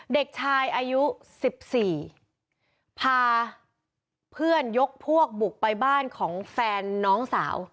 เด็กชายอายุสิบสี่พาเพื่อนยกพวกบุกไปบ้านของแฟนน้องสาว